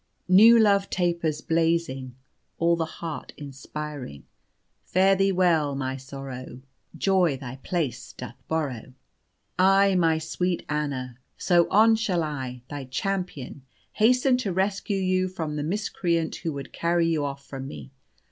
"New love tapers blazing, All the heart inspiring, Fare thee well, my sorrow, Joy thy place doth borrow. "Ay, my sweet Anna, soon shall I, thy champion, hasten to rescue you from the miscreant who would carry you off from me.